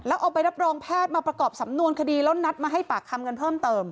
แล้วเอาไปรับรองแพทย์มาประกอบสำนวนคดีแล้วนัดมาให้ปากคำกันเพิ่มเติม